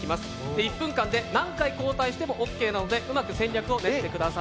１分間で何回交代してもオーケーなのでうまく戦略を練ってください。